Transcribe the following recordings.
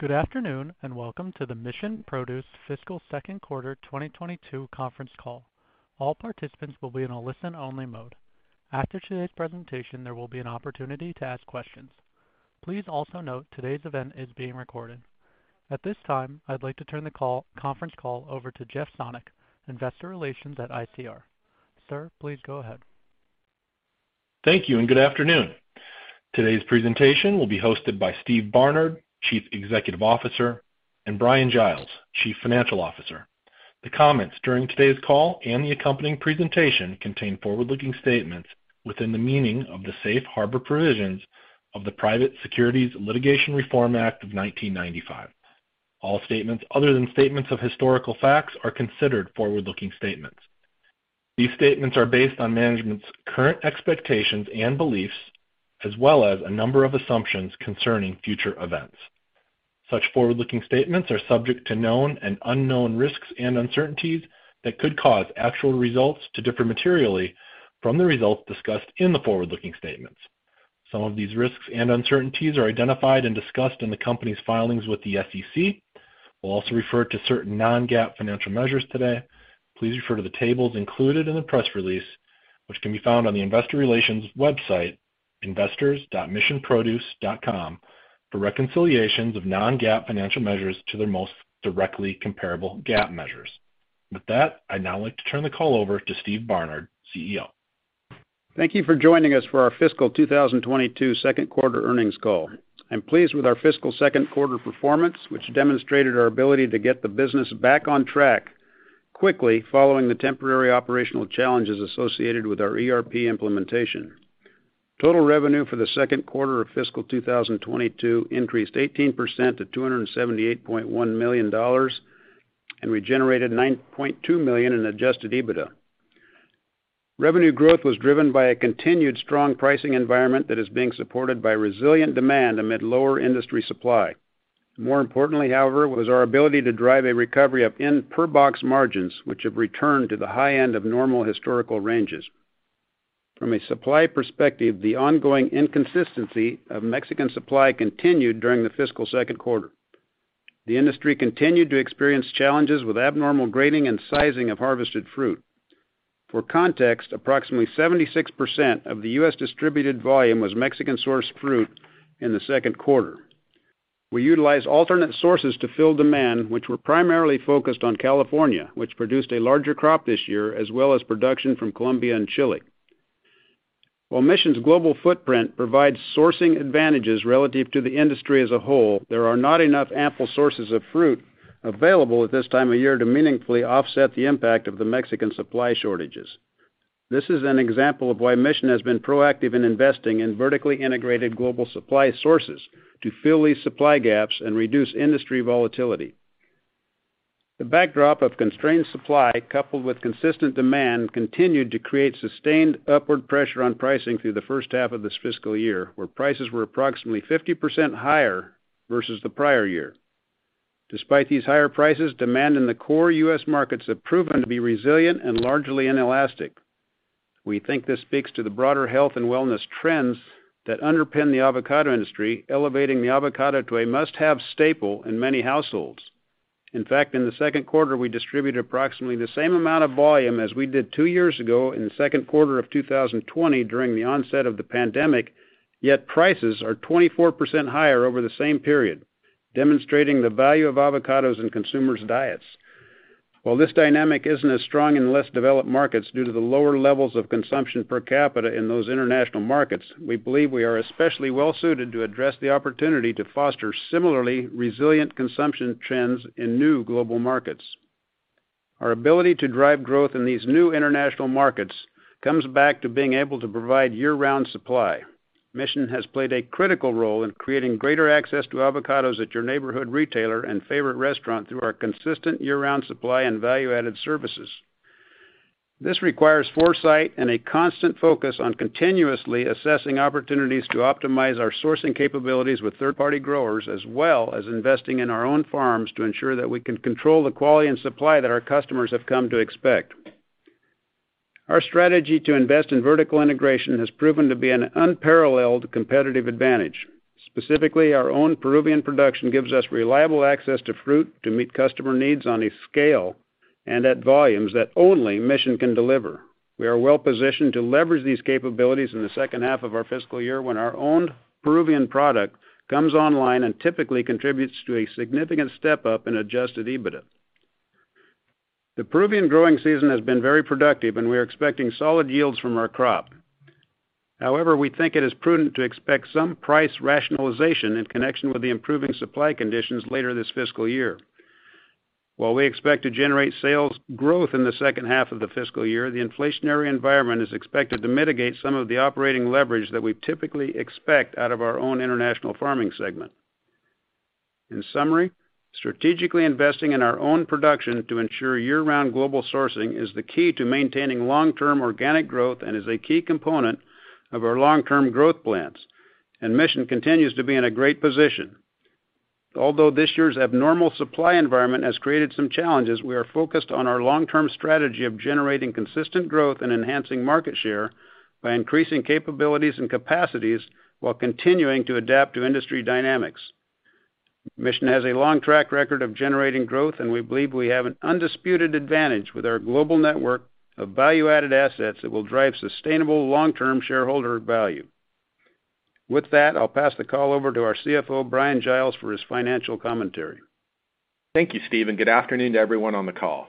Good afternoon, and welcome to the Mission Produce Fiscal Q2 2022 conference call. All participants will be in a listen-only mode. After today's presentation, there will be an opportunity to ask questions. Please also note today's event is being recorded. At this time, I'd like to turn the conference call over to Jeff Sonnek, investor relations at ICR. Sir, please go ahead. Thank you and good afternoon. Today's presentation will be hosted by Steve Barnard, Chief Executive Officer, and Bryan Giles, Chief Financial Officer. The comments during today's call and the accompanying presentation contain forward-looking statements within the meaning of the safe harbor provisions of the Private Securities Litigation Reform Act of 1995. All statements other than statements of historical facts are considered forward-looking statements. These statements are based on management's current expectations and beliefs, as well as a number of assumptions concerning future events. Such forward-looking statements are subject to known and unknown risks and uncertainties that could cause actual results to differ materially from the results discussed in the forward-looking statements. Some of these risks and uncertainties are identified and discussed in the Company's filings with the SEC. We'll also refer to certain non-GAAP financial measures today. Please refer to the tables included in the press release, which can be found on the investor relations website, investors.missionproduce.com, for reconciliations of non-GAAP financial measures to their most directly comparable GAAP measures. With that, I'd now like to turn the call over to Steve Barnard, CEO. Thank you for joining us for our fiscal 2022 Q2 earnings call. I'm pleased with our fiscal Q2 performance, which demonstrated our ability to get the business back on track quickly following the temporary operational challenges associated with our ERP implementation. Total revenue for the Q2 of fiscal 2022 increased 18% to $278.1 million, and we generated $9.2 million in Adjusted EBITDA. Revenue growth was driven by a continued strong pricing environment that is being supported by resilient demand amid lower industry supply. More importantly, however, was our ability to drive a recovery of in per box margins, which have returned to the high end of normal historical ranges. From a supply perspective, the ongoing inconsistency of Mexican supply continued during the fiscal Q2. The industry continued to experience challenges with abnormal grading and sizing of harvested fruit. For context, approximately 76% of the U.S. distributed volume was Mexican-sourced fruit in the Q2. We utilized alternate sources to fill demand, which were primarily focused on California, which produced a larger crop this year, as well as production from Colombia and Chile. While Mission's global footprint provides sourcing advantages relative to the industry as a whole, there are not enough ample sources of fruit available at this time of year to meaningfully offset the impact of the Mexican supply shortages. This is an example of why Mission has been proactive in investing in vertically integrated global supply sources to fill these supply gaps and reduce industry volatility. The backdrop of constrained supply coupled with consistent demand continued to create sustained upward pressure on pricing through the H1 of this fiscal year, where prices were approximately 50% higher versus the prior year. Despite these higher prices, demand in the core U.S. markets have proven to be resilient and largely inelastic. We think this speaks to the broader health and wellness trends that underpin the avocado industry, elevating the avocado to a must-have staple in many households. In fact, in the Q2, we distributed approximately the same amount of volume as we did two years ago in the Q2 of 2020 during the onset of the pandemic. Yet prices are 24% higher over the same period, demonstrating the value of avocados in consumers' diets. While this dynamic isn't as strong in less developed markets due to the lower levels of consumption per capita in those international markets, we believe we are especially well-suited to address the opportunity to foster similarly resilient consumption trends in new global markets. Our ability to drive growth in these new international markets comes back to being able to provide year-round supply. Mission has played a critical role in creating greater access to avocados at your neighborhood retailer and favorite restaurant through our consistent year-round supply and value-added services. This requires foresight and a constant focus on continuously assessing opportunities to optimize our sourcing capabilities with third-party growers, as well as investing in our own farms to ensure that we can control the quality and supply that our customers have come to expect. Our strategy to invest in vertical integration has proven to be an unparalleled competitive advantage. Specifically, our own Peruvian production gives us reliable access to fruit to meet customer needs on a scale and at volumes that only Mission can deliver. We are well positioned to leverage these capabilities in the H2 of our fiscal year when our own Peruvian product comes online and typically contributes to a significant step-up in Adjusted EBITDA. The Peruvian growing season has been very productive, and we are expecting solid yields from our crop. However, we think it is prudent to expect some price rationalization in connection with the improving supply conditions later this fiscal year. While we expect to generate sales growth in the H2 of the fiscal year, the inflationary environment is expected to mitigate some of the operating leverage that we typically expect out of our own International Farming segment. In summary, strategically investing in our own production to ensure year-round global sourcing is the key to maintaining long-term organic growth and is a key component of our long-term growth plans, and Mission continues to be in a great position. Although this year's abnormal supply environment has created some challenges, we are focused on our long-term strategy of generating consistent growth and enhancing market share by increasing capabilities and capacities while continuing to adapt to industry dynamics. Mission has a long track record of generating growth, and we believe we have an undisputed advantage with our global network of value-added assets that will drive sustainable long-term shareholder value. With that, I'll pass the call over to our CFO, Bryan Giles, for his financial commentary. Thank you, Steve, and good afternoon to everyone on the call.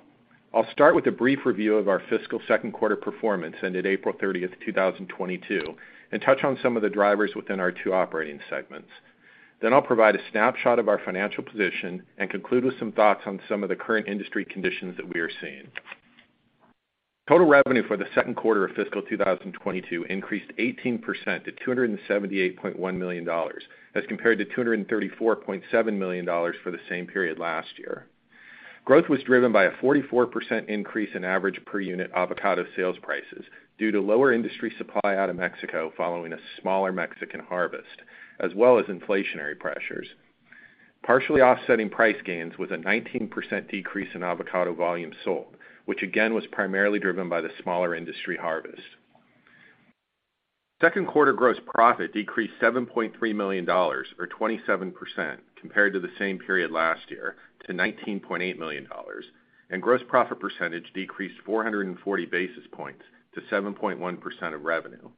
I'll start with a brief review of our fiscal Q2 performance ended April thirtieth, 2022, and touch on some of the drivers within our two operating segments. I'll provide a snapshot of our financial position and conclude with some thoughts on some of the current industry conditions that we are seeing. Total revenue for the Q2 of fiscal 2022 increased 18% to $278.1 million as compared to $234.7 million for the same period last year. Growth was driven by a 44% increase in average per unit avocado sales prices due to lower industry supply out of Mexico following a smaller Mexican harvest, as well as inflationary pressures. Partially offsetting price gains was a 19% decrease in avocado volume sold, which again was primarily driven by the smaller industry harvest. Q2 gross profit decreased $7.3 million or 27% compared to the same period last year to $19.8 million, and gross profit percentage decreased 440 basis points to 7.1% of revenue.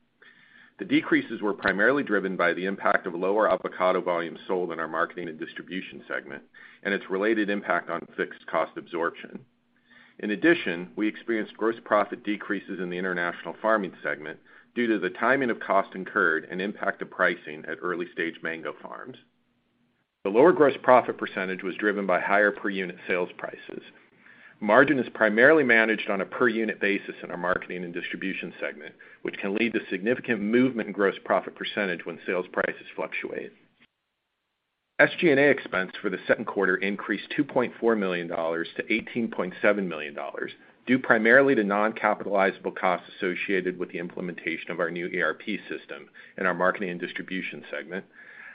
The decreases were primarily driven by the impact of lower avocado volume sold in our Marketing & Distribution segment and its related impact on fixed cost absorption. In addition, we experienced gross profit decreases in the International Farming segment due to the timing of cost incurred and impact of pricing at early stage mango farms. The lower gross profit percentage was driven by higher per unit sales prices. Margin is primarily managed on a per unit basis in our Marketing & Distribution segment, which can lead to significant movement in gross profit percentage when sales prices fluctuate. SG&A expense for the Q2 increased $2.4 million to $18.7 million, due primarily to non-capitalizable costs associated with the implementation of our new ERP system in our Marketing & Distribution segment,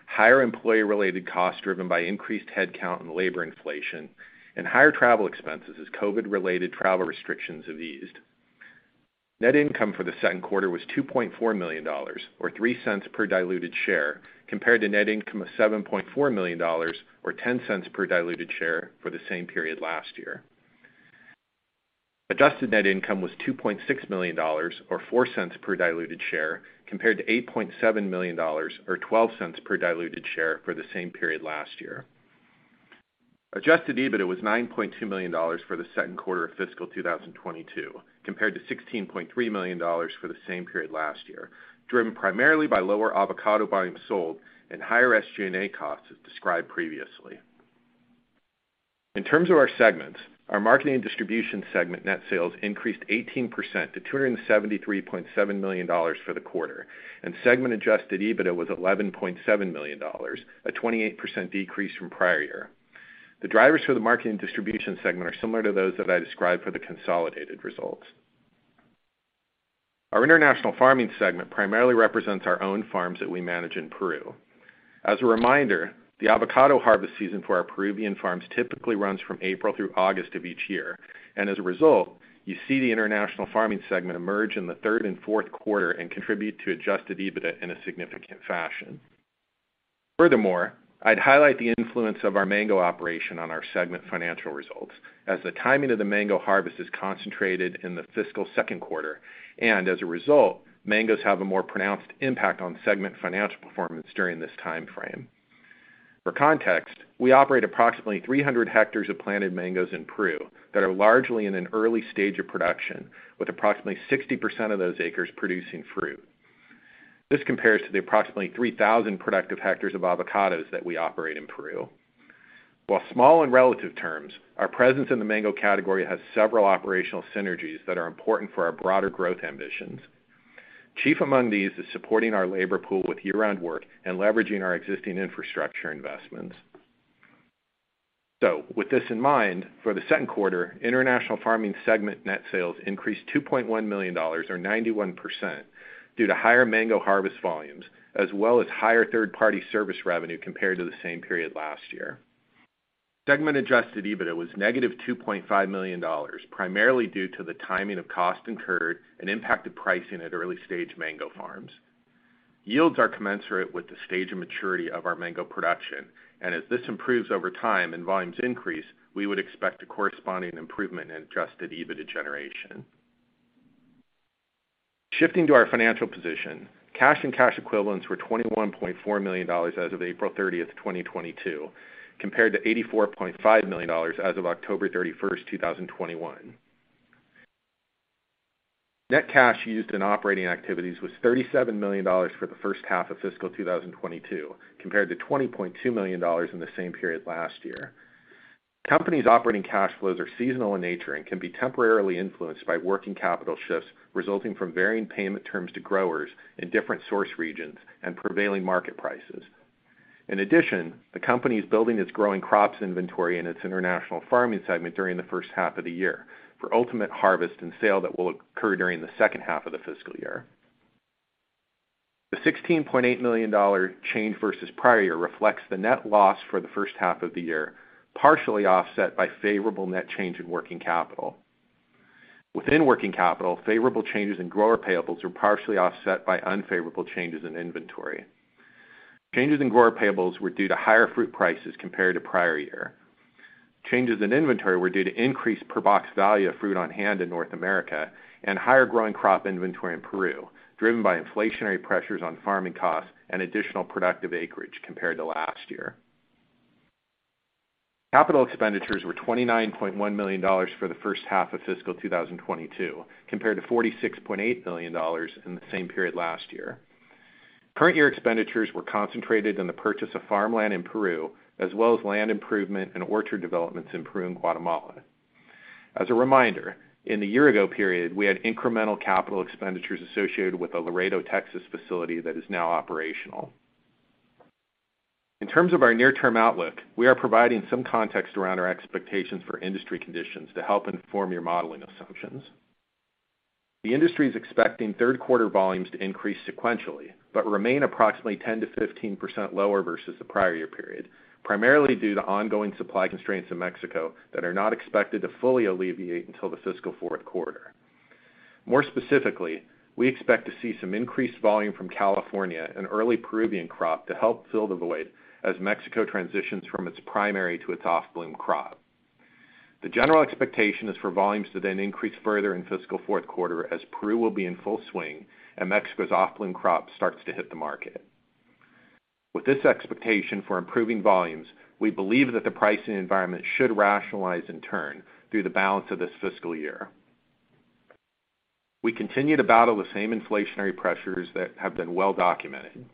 higher employee-related costs driven by increased headcount and labor inflation, and higher travel expenses as COVID-related travel restrictions have eased. Net income for the Q2 was $2.4 million or 3 cents per diluted share compared to net income of $7.4 million or 10 cents per diluted share for the same period last year. Adjusted net income was $2.6 million or $0.04 per diluted share compared to $8.7 million or $0.12 per diluted share for the same period last year. Adjusted EBITDA was $9.2 million for the Q2 of fiscal 2022 compared to $16.3 million for the same period last year, driven primarily by lower avocado volume sold and higher SG&A costs as described previously. In terms of our segments, our Marketing & Distribution segment net sales increased 18% to $273.7 million for the quarter, and segment adjusted EBITDA was $11.7 million, a 28% decrease from prior year. The drivers for the Marketing & Distribution segment are similar to those that I described for the consolidated results. Our International Farming segment primarily represents our own farms that we manage in Peru. As a reminder, the avocado harvest season for our Peruvian farms typically runs from April through August of each year, and as a result, you see the International Farming segment emerge in the third and Q4 and contribute to Adjusted EBITDA in a significant fashion. Furthermore, I'd highlight the influence of our mango operation on our segment financial results as the timing of the mango harvest is concentrated in the fiscal Q2, and as a result, mangoes have a more pronounced impact on segment financial performance during this time frame. For context, we operate approximately 300 hectares of planted mangoes in Peru that are largely in an early stage of production, with approximately 60% of those acres producing fruit. This compares to the approximately 3,000 productive hectares of avocados that we operate in Peru. While small in relative terms, our presence in the mango category has several operational synergies that are important for our broader growth ambitions. Chief among these is supporting our labor pool with year-round work and leveraging our existing infrastructure investments. With this in mind, for the Q2, International Farming segment net sales increased $2.1 million or 91% due to higher mango harvest volumes as well as higher third-party service revenue compared to the same period last year. Segment Adjusted EBITDA was negative $2.5 million, primarily due to the timing of costs incurred and impact of pricing at early stage mango farms. Yields are commensurate with the stage and maturity of our mango production, and as this improves over time and volumes increase, we would expect a corresponding improvement in Adjusted EBITDA generation. Shifting to our financial position, cash and cash equivalents were $21.4 million as of April 30, 2022, compared to $84.5 million as of October 31, 2021. Net cash used in operating activities was $37 million for the H1 of fiscal 2022, compared to $20.2 million in the same period last year. Company's operating cash flows are seasonal in nature and can be temporarily influenced by working capital shifts resulting from varying payment terms to growers in different source regions and prevailing market prices. In addition, the company is building its growing crops inventory in its International Farming segment during the H1 of the year for ultimate harvest and sale that will occur during the H2 of the fiscal year. The $16.8 million change versus prior year reflects the net loss for the H1 of the year, partially offset by favorable net change in working capital. Within working capital, favorable changes in grower payables were partially offset by unfavorable changes in inventory. Changes in grower payables were due to higher fruit prices compared to prior year. Changes in inventory were due to increased per box value of fruit on hand in North America and higher growing crop inventory in Peru, driven by inflationary pressures on farming costs and additional productive acreage compared to last year. Capital expenditures were $29.1 million for the H1 of fiscal 2022, compared to $46.8 million in the same period last year. Current year expenditures were concentrated in the purchase of farmland in Peru, as well as land improvement and orchard developments in Peru and Guatemala. As a reminder, in the year ago period, we had incremental capital expenditures associated with the Laredo, Texas, facility that is now operational. In terms of our near-term outlook, we are providing some context around our expectations for industry conditions to help inform your modeling assumptions. The industry is expecting Q3 volumes to increase sequentially, but remain approximately 10%-15% lower versus the prior year period, primarily due to ongoing supply constraints in Mexico that are not expected to fully alleviate until the fiscal Q4. More specifically, we expect to see some increased volume from California and early Peruvian crop to help fill the void as Mexico transitions from its primary to its off-bloom crop. The general expectation is for volumes to then increase further in fiscal Q4 as Peru will be in full swing and Mexico's off-bloom crop starts to hit the market. With this expectation for improving volumes, we believe that the pricing environment should rationalize in turn through the balance of this fiscal year. We continue to battle the same inflationary pressures that have been well documented.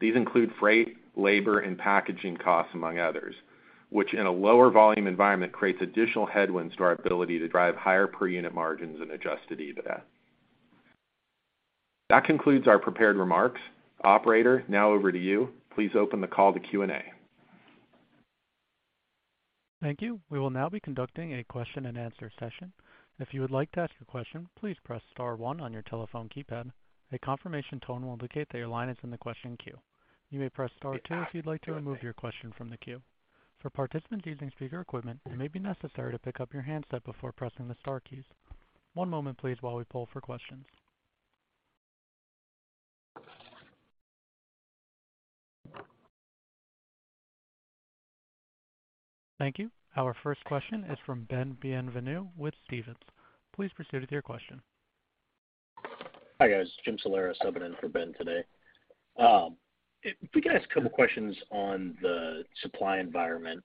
These include freight, labor, and packaging costs, among others, which in a lower volume environment creates additional headwinds to our ability to drive higher per unit margins and Adjusted EBITDA. That concludes our prepared remarks. Operator, now over to you. Please open the call to Q&A. Thank you. We will now be conducting a question-and-answer session. If you would like to ask a question, please press star one on your telephone keypad. A confirmation tone will indicate that your line is in the question queue. You may press star two if you'd like to remove your question from the queue. For participants using speaker equipment, it may be necessary to pick up your handset before pressing the star keys. One moment, please, while we poll for questions. Thank you. Our first question is from Ben Bienvenu with Stephens. Please proceed with your question. Hi, guys. Jim Salera stepping in for Ben today. If we could ask a couple questions on the supply environment.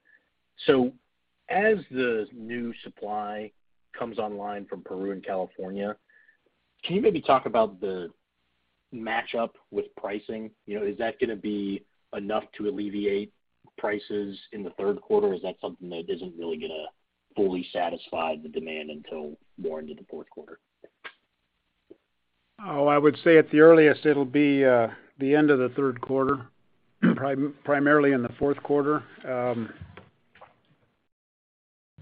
As the new supply comes online from Peru and California, can you maybe talk about the match up with pricing? You know, is that gonna be enough to alleviate prices in the Q3? Is that something that isn't really gonna fully satisfy the demand until more into the Q4? I would say at the earliest it'll be the end of the Q3, primarily in the Q4.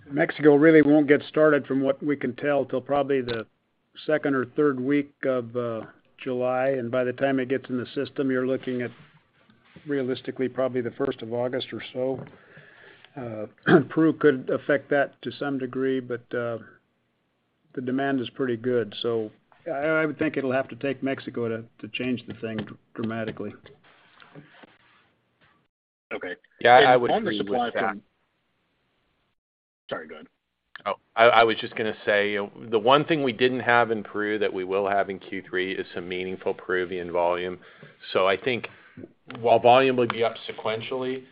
Mexico really won't get started from what we can tell till probably the second or third week of July, and by the time it gets in the system, you're looking at realistically probably the first of August or so. Peru could affect that to some degree, but the demand is pretty good. I would think it'll have to take Mexico to change the thing dramatically. Okay. Sorry, go ahead. I was just gonna say, the one thing we didn't have in Peru that we will have in Q3 is some meaningful Peruvian volume. I think while volume will be up sequentially,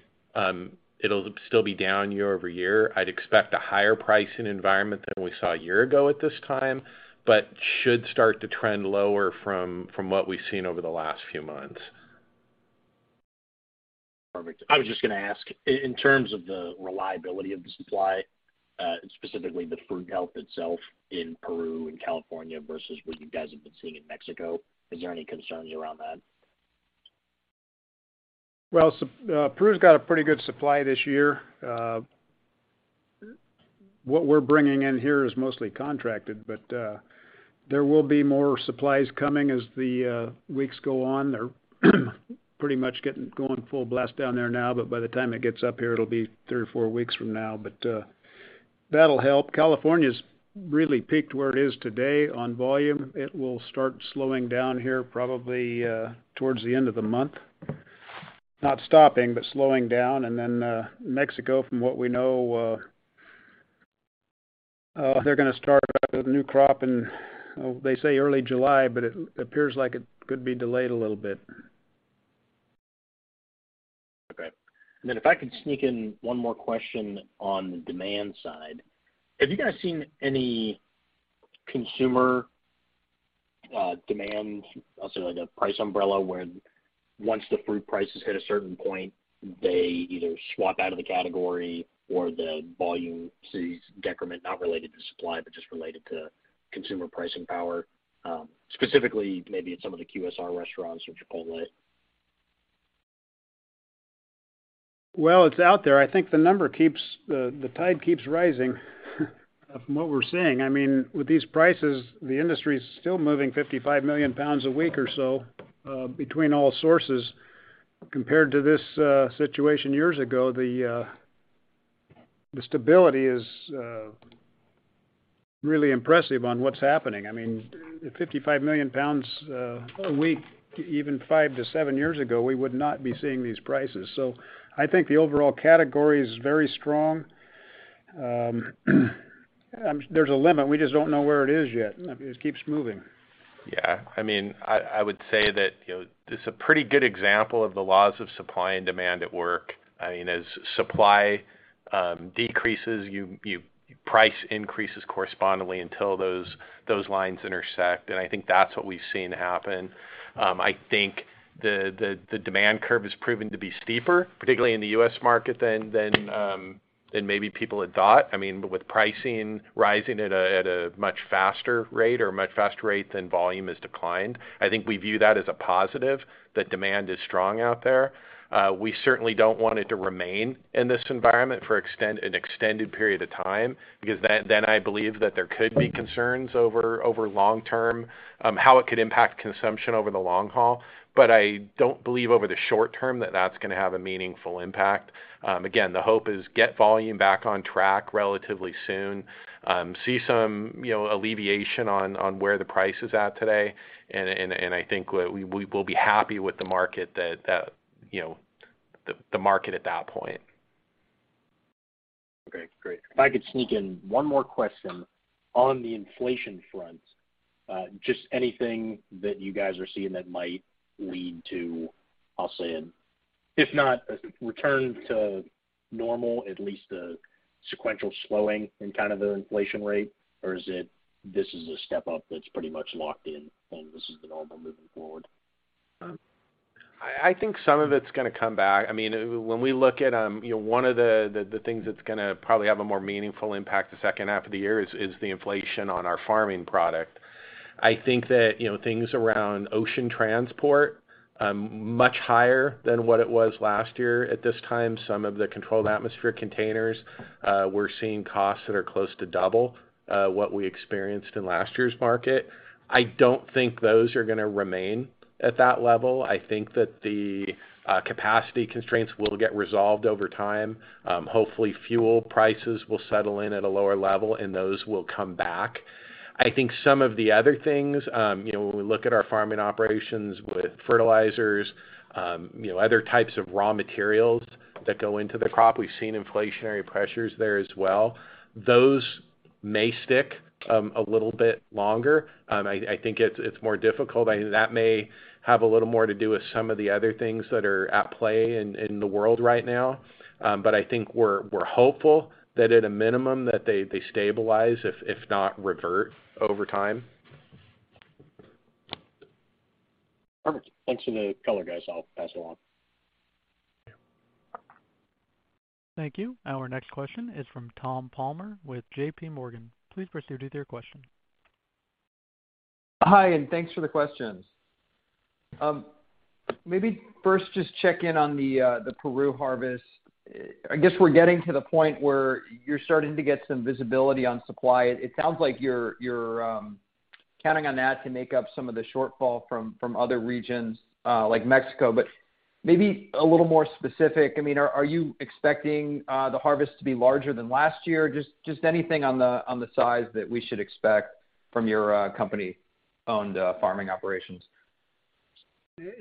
it'll still be down year-over-year. I'd expect a higher pricing environment than we saw a year ago at this time, but should start to trend lower from what we've seen over the last few months. Perfect. I was just gonna ask, in terms of the reliability of the supply, specifically the fruit health itself in Peru and California versus what you guys have been seeing in Mexico, is there any concerns around that? Well, Peru's got a pretty good supply this year. What we're bringing in here is mostly contracted, but there will be more supplies coming as the weeks go on. They're pretty much getting going full blast down there now, but by the time it gets up here, it'll be three or four weeks from now. That'll help. California's really peaked where it is today on volume. It will start slowing down here probably towards the end of the month. Not stopping, but slowing down. Then Mexico, from what we know, they're gonna start up with a new crop in, they say early July, but it appears like it could be delayed a little bit. Okay. If I could sneak in one more question on the demand side. Have you guys seen any consumer demand? I'll say like a price umbrella, where once the fruit prices hit a certain point, they either swap out of the category or the volume sees decrement, not related to supply, but just related to consumer pricing power, specifically maybe at some of the QSR restaurants or Chipotle? Well, it's out there. I think the tide keeps rising from what we're seeing. I mean, with these prices, the industry is still moving 55 million pounds a week or so between all sources. Compared to this situation years ago, the stability is really impressive on what's happening. I mean, 55 million pounds a week, even five to seven years ago, we would not be seeing these prices. I think the overall category is very strong. There's a limit. We just don't know where it is yet. It keeps moving. Yeah. I mean, I would say that this is a pretty good example of the laws of supply and demand at work. I mean, as supply decreases, price increases correspondingly until those lines intersect, and I think that's what we've seen happen. I think the demand curve has proven to be steeper, particularly in the U.S. market than maybe people had thought. I mean, with pricing rising at a much faster rate than volume has declined. I think we view that as a positive, that demand is strong out there. We certainly don't want it to remain in this environment for an extended period of time because then I believe that there could be concerns over long-term how it could impact consumption over the long haul. I don't believe over the short term that that's gonna have a meaningful impact. Again, the hope is get volume back on track relatively soon, see some alleviation on where the price is at today. I think we'll be happy with the market that the market at that point. Okay, great. If I could sneak in one more question. On the inflation front, just anything that you guys are seeing that might lead to, I'll say, if not a return to normal, at least a sequential slowing in kind of the inflation rate, or is it this is a step up that's pretty much locked in, and this is the normal moving forward? I think some of it's gonna come back. I mean, when we look at one of the things that's gonna probably have a more meaningful impact the H2 of the year is the inflation on our farming product. I think that things around ocean transport much higher than what it was last year at this time. Some of the controlled atmosphere containers we're seeing costs that are close to double what we experienced in last year's market. I don't think those are gonna remain at that level. I think that the capacity constraints will get resolved over time. Hopefully, fuel prices will settle in at a lower level, and those will come back. I think some of the other things when we look at our farming operations with fertilizers other types of raw materials that go into the crop, we've seen inflationary pressures there as well. Those may stick a little bit longer. I think it's more difficult. I think that may have a little more to do with some of the other things that are at play in the world right now. I think we're hopeful that at a minimum that they stabilize, if not revert over time. Perfect. Thanks for the color, guys. I'll pass it on. Thank you. Thank you. Our next question is from Thomas Palmer with JP Morgan. Please proceed with your question. Hi, thanks for the questions. Maybe first just check in on the Peru harvest. I guess we're getting to the point where you're starting to get some visibility on supply. It sounds like you're counting on that to make up some of the shortfall from other regions like Mexico, but maybe a little more specific. I mean, are you expecting the harvest to be larger than last year? Just anything on the size that we should expect from your company-owned farming operations.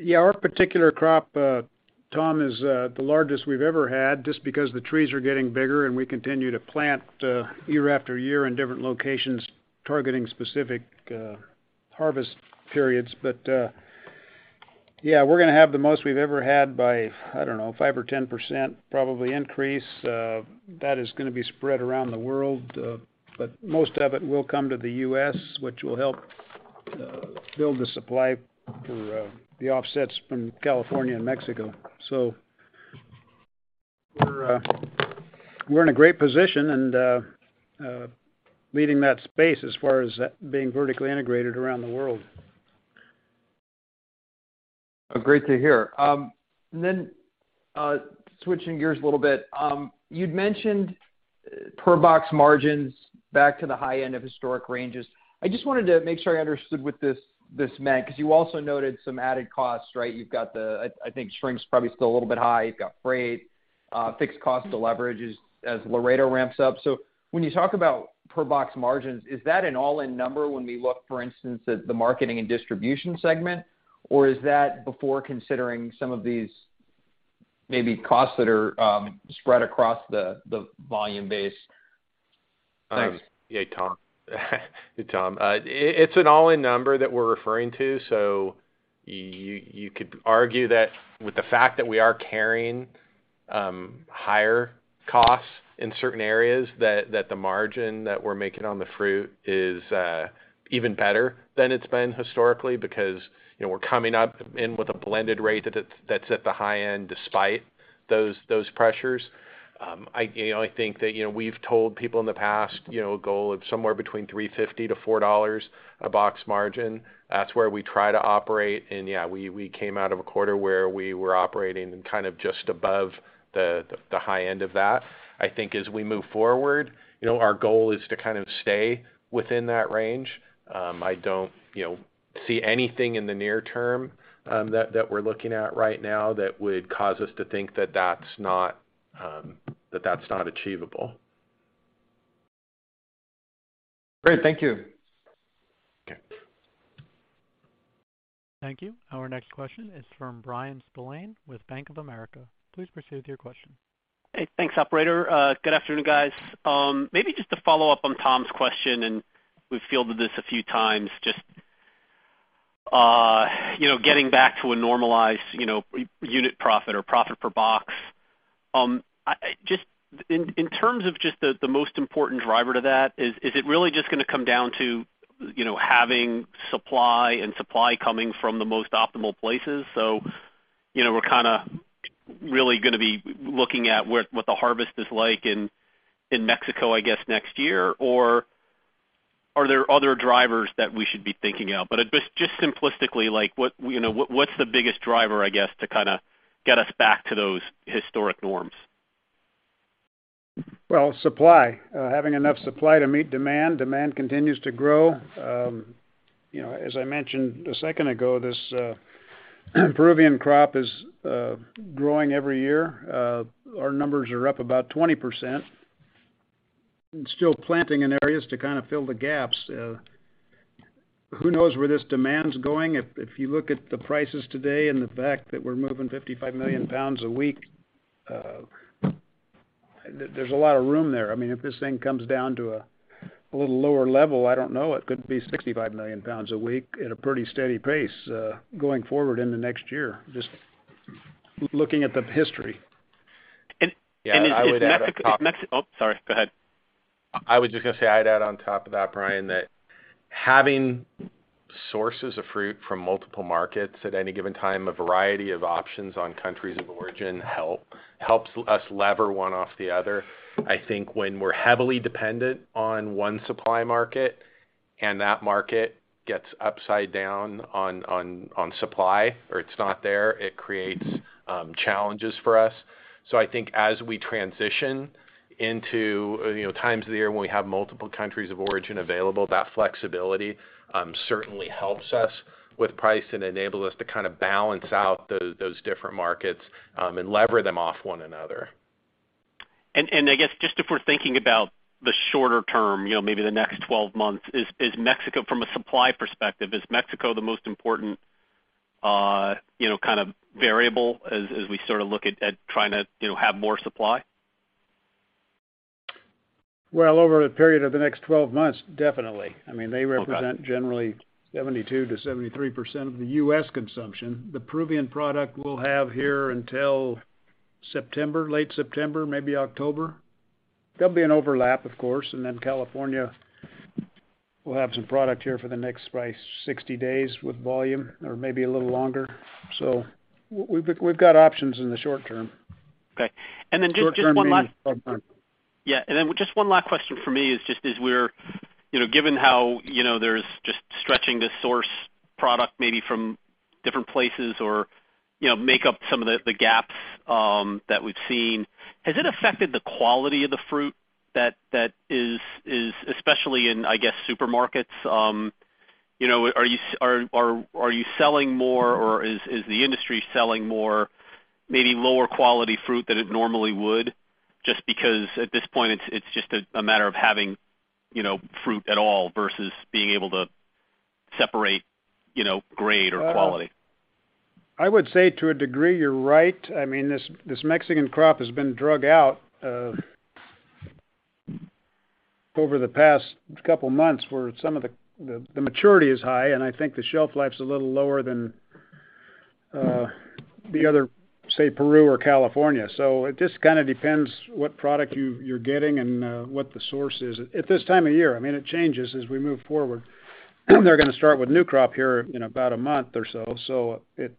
Yeah, our particular crop, Tom, is the largest we've ever had just because the trees are getting bigger, and we continue to plant year after year in different locations targeting specific harvest periods. Yeah, we're gonna have the most we've ever had by, I don't know, five or 10% probably increase. That is gonna be spread around the world, but most of it will come to the U.S., which will help build the supply through the offsets from California and Mexico. We're in a great position and leading that space as far as being vertically integrated around the world. Great to hear. Switching gears a little bit, you'd mentioned per box margins back to the high end of historic ranges. I just wanted to make sure I understood what this meant because you also noted some added costs, right? You've got the, I think, shrink's probably still a little bit high. You've got freight, fixed cost to leverage as Laredo ramps up. When you talk about per box margins, is that an all-in number when we look, for instance, at the Marketing & Distribution segment? Or is that before considering some of these maybe costs that are spread across the volume base? Yeah, Tom. It's an all-in number that we're referring to, so you could argue that with the fact that we are carrying higher costs in certain areas that the margin that we're making on the fruit is even better than it's been historically because we're coming up with a blended rate that's at the high end despite those pressures. I think that we've told people in the past, a goal of somewhere between $3.50-$4 a box margin. That's where we try to operate. Yeah, we came out of a quarter where we were operating kind of just above the high end of that. I think as we move forward, our goal is to kind of stay within that range. I don't, see anything in the near term that we're looking at right now that would cause us to think that that's not achievable. Great. Thank you. Okay. Thank you. Our next question is from Bryan Spillane with Bank of America. Please proceed with your question. Hey, thanks, operator. Good afternoon, guys. Maybe just to follow up on Tom's question, and we've fielded this a few times just getting back to a normalized per-unit profit or profit per box. I just in terms of just the most important driver to that, is it really just gonna come down to having supply and supply coming from the most optimal places? You know, we're kinda really gonna be looking at what the harvest is like in Mexico, I guess, next year? Or are there other drivers that we should be thinking of? Just simplistically, like, what, what's the biggest driver, I guess, to kinda get us back to those historic norms? Well, supply. Having enough supply to meet demand. Demand continues to grow. As I mentioned a second ago, this Peruvian crop is growing every year. Our numbers are up about 20%. Still planting in areas to kind of fill the gaps. Who knows where this demand's going. If you look at the prices today and the fact that we're moving 55 million pounds a week, there's a lot of room there. I mean, if this thing comes down to a little lower level, I don't know, it could be 65 million pounds a week at a pretty steady pace, going forward in the next year, just looking at the history. if Mexico Yeah, I would add on top. Oh, sorry, go ahead. I was just gonna say, I'd add on top of that, Bryan, that having sources of fruit from multiple markets at any given time, a variety of options on countries of origin helps us lever one off the other. I think when we're heavily dependent on one supply market and that market gets upside down on supply or it's not there, it creates challenges for us. I think as we transition into times of the year when we have multiple countries of origin available, that flexibility certainly helps us with price and enable us to kind of balance out those different markets and lever them off one another. I guess just if we're thinking about the shorter term maybe the next 12 months, is Mexico from a supply perspective the most important, you kno kind of variable as we sort of look at trying to have more supply? Well, over a period of the next 12 months, definitely. Okay. I mean, they represent generally 72%-73% of the U.S. consumption. The Peruvian product we'll have here until September, late September, maybe October. There'll be an overlap, of course, and then California will have some product here for the next, probably 60 days with volume or maybe a little longer. We've got options in the short term. Okay. Just one last- Short term means. Yeah. Then just one last question for me is just as we're given how there's just stretching the source product maybe from different places or make up some of the gaps that we've seen, has it affected the quality of the fruit that is especially in, I guess, supermarkets. Are you selling more or is the industry selling more, maybe lower quality fruit than it normally would just because at this point it's just a matter of having fruit at all versus being able to separate grade or quality? I would say to a degree, you're right. I mean, this Mexican crop has been dragged out over the past couple months, where some of the maturity is high, and I think the shelf life's a little lower than the other, say, Peru or California. It just kinda depends what product you're getting and what the source is at this time of year. I mean, it changes as we move forward. They're gonna start with new crop here in about a month or so. It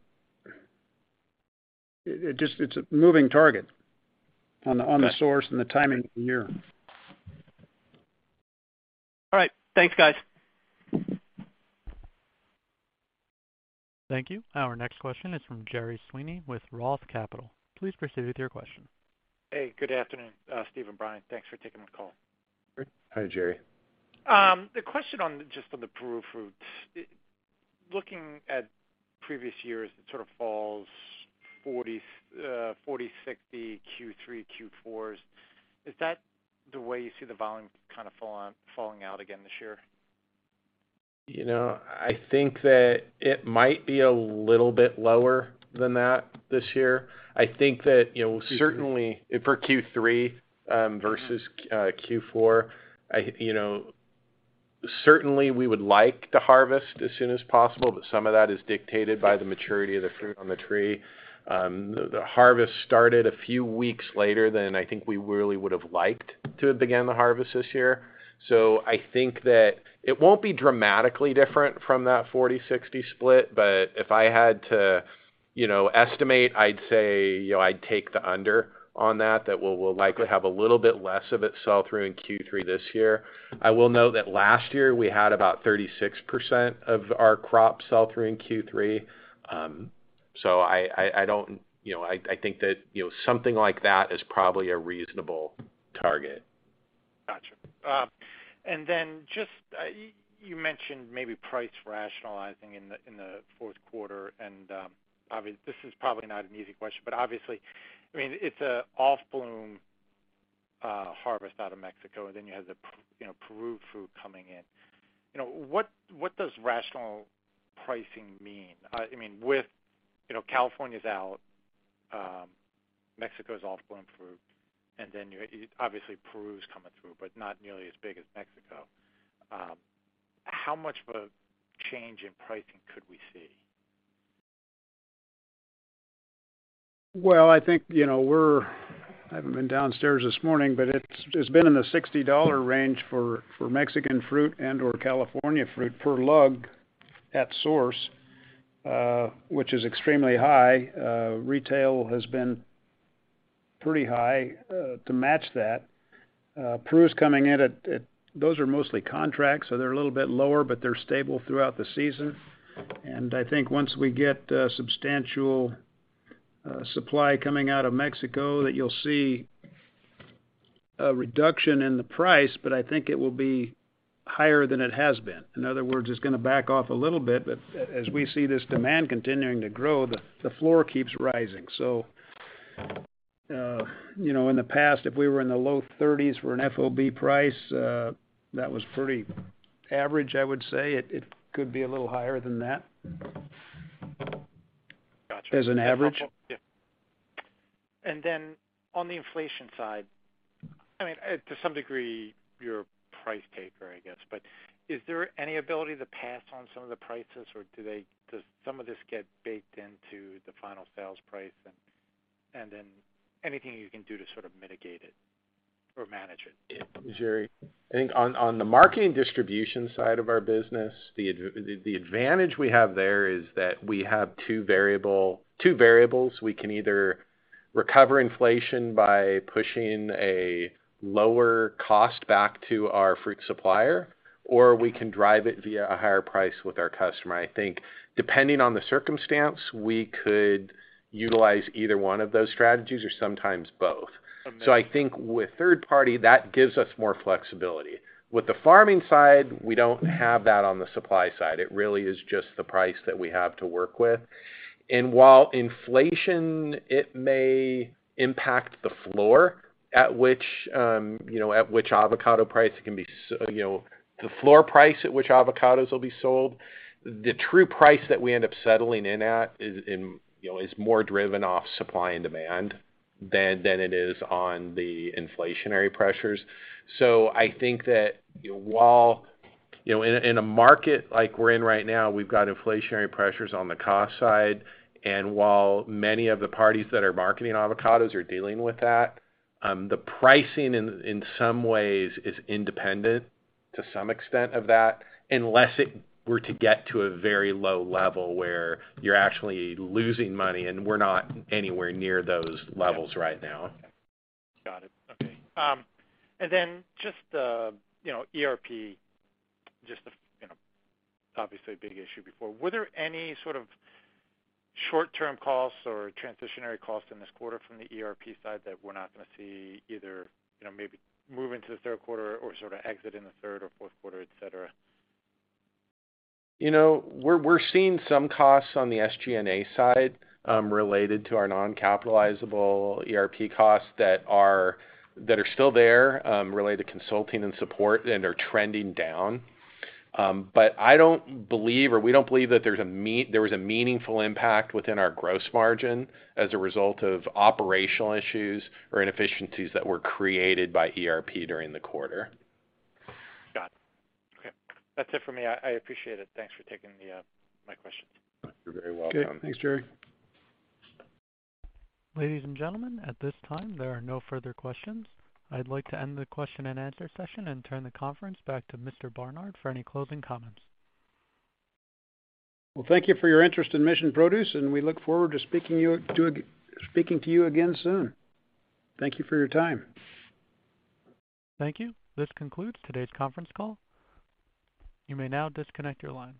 just, it's a moving target on the source and the timing of the year. All right. Thanks, guys. Thank you. Our next question is from Gerry Sweeney with ROTH Capital. Please proceed with your question. Hey, good afternoon, Steve and Bryan. Thanks for taking the call. Great. Hi, Gerry. The question on, just on the Peru fruits. Looking at previous years, it sort of falls 40/60 Q3, Q4s. Is that the way you see the volume kind of falling out again this year? I think that it might be a little bit lower than that this year. I think that certainly for Q3 versus Q4 certainly we would like to harvest as soon as possible, but some of that is dictated by the maturity of the fruit on the tree. The harvest started a few weeks later than I think we really would've liked to have began the harvest this year. I think that it won't be dramatically different from that 40/60 split, but if I had to estimate, I'd say I'd take the under on that we'll likely have a little bit less of it sell through in Q3 this year. I will note that last year we had about 36% of our crop sell through in Q3. I don't. I think that something like that is probably a reasonable target. Just you mentioned maybe price rationalizing in the Q4. This is probably not an easy question, but obviously, I mean, it's a off-bloom harvest out of Mexico, and then you have the Peru fruit coming in. What does rational pricing mean? I mean, with California's out, Mexico's off-bloom fruit, and then obviously Peru's coming through, but not nearly as big as Mexico. How much of a change in pricing could we see? Well, I think I haven't been downstairs this morning, but it's been in the $60 range for Mexican fruit and/or California fruit per lug at source, which is extremely high. Retail has been pretty high to match that. Peru's coming in at. Those are mostly contracts, so they're a little bit lower, but they're stable throughout the season. I think once we get substantial supply coming out of Mexico, that you'll see a reduction in the price, but I think it will be higher than it has been. In other words, it's gonna back off a little bit, but as we see this demand continuing to grow, the floor keeps rising. In the past, if we were in the low $30s for an FOB price, that was pretty average, I would say. It could be a little higher than that. Gotcha. As an average. Yeah. Then on the inflation side, I mean, to some degree, you're a price taker, I guess. Is there any ability to pass on some of the prices, or do they, does some of this get baked into the final sales price then? Then anything you can do to sort of mitigate it or manage it? Yeah. Gerry, I think on the Marketing & Distribution side of our business, the advantage we have there is that we have two variables. We can either recover inflation by pushing a lower cost back to our fruit supplier, or we can drive it via a higher price with our customer. I think depending on the circumstance, we could utilize either one of those strategies or sometimes both. Okay. I think with third party, that gives us more flexibility. With the farming side, we don't have that on the supply side. It really is just the price that we have to work with. While inflation, it may impact the floor at which at which avocado price can be the floor price at which avocados will be sold, the true price that we end up settling in at is more driven off supply and demand than it is on the inflationary pressures. I think that while in a market like we're in right now, we've got inflationary pressures on the cost side, and while many of the parties that are marketing avocados are dealing with that, the pricing in some ways is independent to some extent of that, unless it were to get to a very low level where you're actually losing money, and we're not anywhere near those levels right now. Got it. Okay. Just the ERP obviously a big issue before. Were there any sort of short-term costs or transitory costs in this quarter from the ERP side that we're not gonna see either maybe move into the Q3 or sort of exit in the third or Q4, et cetera? We're seeing some costs on the SG&A side, related to our non-capitalizable ERP costs that are still there, related to consulting and support and are trending down. I don't believe, or we don't believe that there was a meaningful impact within our gross margin as a result of operational issues or inefficiencies that were created by ERP during the quarter. Got it. Okay. That's it for me. I appreciate it. Thanks for taking my questions. You're very welcome. Okay. Thanks, Gerry. Ladies and gentlemen, at this time, there are no further questions. I'd like to end the question and answer session and turn the conference back to Mr. Barnard for any closing comments. Well, thank you for your interest in Mission Produce, and we look forward to speaking to you again soon. Thank you for your time. Thank you. This concludes today's conference call. You may now disconnect your line.